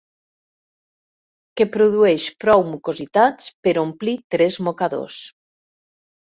Que produeix prou mucositats per omplir tres mocadors.